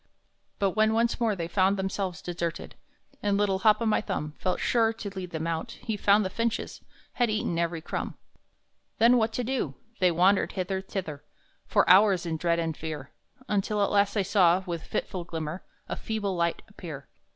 But when once more they found themselves deserted, And little Hop o' my Thumb Felt sure to lead them out, he found the finches Had eaten every crumb! Then what to do! They wandered hither, thither, For hours in dread and fear, Until at last they saw, with fitful glimmer, A feeble light appear.